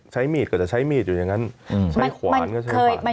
ใช้มีดก็จะใช้มีดอยู่อย่างนั้นใช้ขวานก็ใช้ขวาน